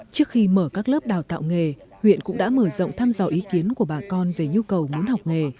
trước khi mở các lớp đào tạo nghề huyện cũng đã mở rộng tham dò ý kiến của bà con về nhu cầu muốn học nghề